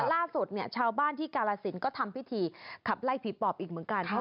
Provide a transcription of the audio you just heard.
ล่าสุดเนี่ยชาวบ้านที่กาลสินก็ทำพิธีขับไล่ผีปอบอีกเหมือนกัน